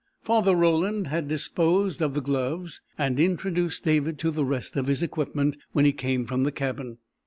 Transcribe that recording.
Father Roland had disposed of the gloves, and introduced David to the rest of his equipment when he came from the cabin.